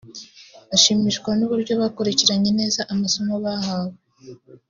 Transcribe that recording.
bashimishwa n’uburyo bakurikiranye neza amasomo bahawe